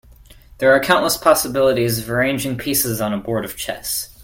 There are countless possibilities of arranging pieces on a board of chess.